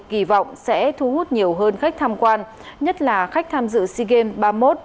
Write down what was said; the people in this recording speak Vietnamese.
kỳ vọng sẽ thu hút nhiều hơn khách tham quan nhất là khách tham dự sea games ba mươi một